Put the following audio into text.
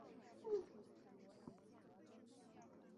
张文庆追随田五成为首领之一。